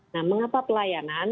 nah mengapa pelayanan